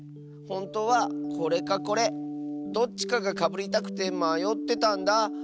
ほんとうはこれかこれどっちかがかぶりたくてまよってたんだ。